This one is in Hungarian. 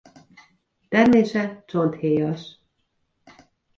Termése csonthéjas.